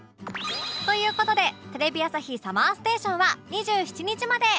という事でテレビ朝日 ＳＵＭＭＥＲＳＴＡＴＩＯＮ は２７日まで